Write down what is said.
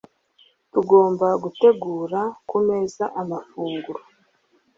Tugomba gutegura ku meza amafunguro